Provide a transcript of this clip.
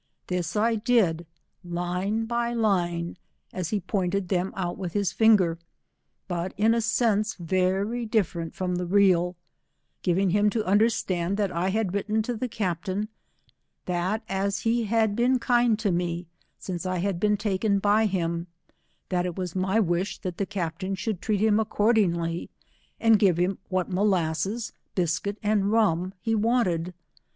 This I did line by line, as he pointed them out with his finger, but in a sense very different from the real, giving him to under stand that I had written to the captain, that as he had been kind to me since I had been taken by him, that it was my wish that the captain should treat him accordingly, and give him what mollasses, biscuit and rum he wanted.